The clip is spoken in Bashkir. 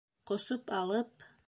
Ҡосоп алып: